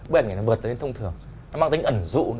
bức ảnh này nó vượt lên thông thường nó mang tính ẩn dụ